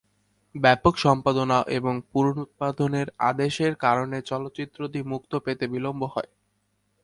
ব্যাপক সম্পাদনা ও পুনরুৎপাদনের আদেশের কারণে চলচ্চিত্রটি মুক্তি পেতে বিলম্ব হয়।